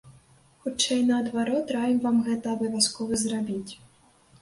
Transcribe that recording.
Хутчэй наадварот, раім вам гэта абавязкова зрабіць.